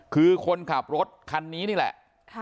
คือคนขับรถคันนี้นี่แหละ